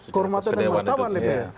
kehormatan dan mantapan dpr